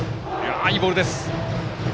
いいボールでした。